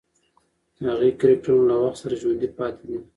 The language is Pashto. هغې کرکټرونه له وخت سره ژوندۍ پاتې دي.